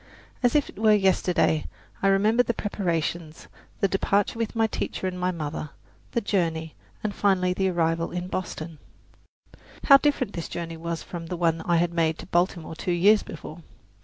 As if it were yesterday I remember the preparations, the departure with my teacher and my mother, the journey, and finally the arrival in Boston. How different this journey was from the one I had made to Baltimore two years before!